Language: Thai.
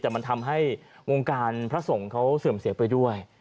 แต่มันทำให้วงการพระสงฆ์เขาเสื่อมเสียไปด้วย